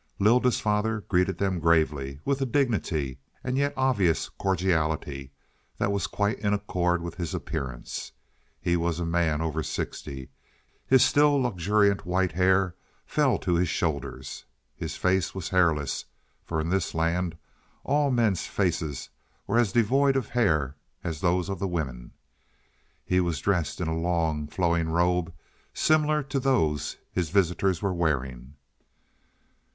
Lylda's father greeted them gravely, with a dignity, and yet obvious cordiality that was quite in accord with his appearance. He was a man over sixty. His still luxuriant white hair fell to his shoulders. His face was hairless, for in this land all men's faces were as devoid of hair as those of the women. He was dressed in a long, flowing robe similar to those his visitors were wearing.